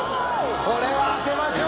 これは当てましょう。